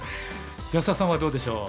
安田さんはどうでしょう？